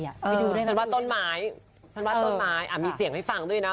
ช่วยว่ามาสนวาดต้นไม้มีเสียงให้ฟังด้วยนะ